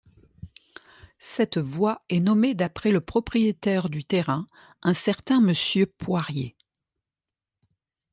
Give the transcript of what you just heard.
Cette voie est nommée d'après le propriétaire du terrain, un certain monsieur Poirier.